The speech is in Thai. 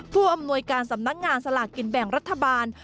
ผู้อำนวยการสำนักงานสลากกินแบ่งรัฐบาล